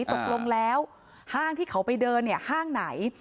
ตกลงแล้วห้างที่เขาไปเดินห้างไหน